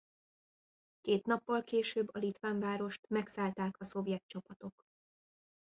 Két nappal később a litván várost megszállták a szovjet csapatok.